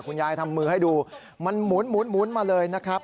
ทำมือให้ดูมันหมุนมาเลยนะครับ